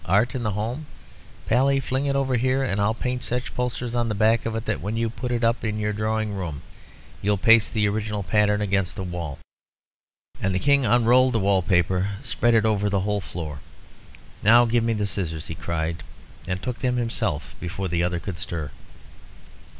Art in the home, Pally? Fling it over here, and I'll paint such posters on the back of it that when you put it up in your drawing room you'll paste the original pattern against the wall." And the King unrolled the wall paper, spreading it over the whole floor. "Now give me the scissors," he cried, and took them himself before the other could stir.